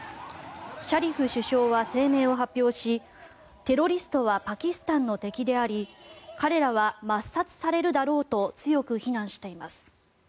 シャリフ首相は声明を発表しテロリストはパキスタンの敵であり彼らは抹殺されるだろうと強く非難しています。